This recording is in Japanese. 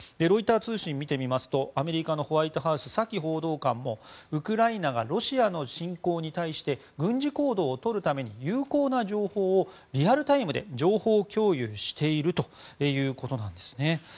ロイター通信を見てみますとアメリカのホワイトハウスサキ報道官もウクライナがロシアの侵攻に対して軍事行動をとるために有効な情報をリアルタイムで情報共有しているということなんですね。